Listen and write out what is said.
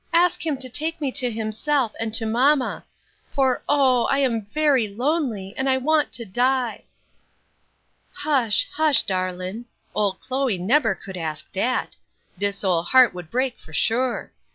ask Him to take me to Himself, and to mamma for oh! I am very lonely, and I want to die!" "Hush, hush, darlin'; old Chloe nebber could ask dat; dis ole heart would break for sure.